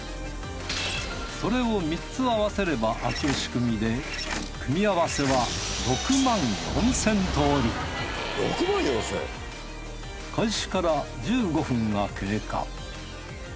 それを３つ合わせれば開く仕組みで組み合わせは６４，０００通り６４，０００！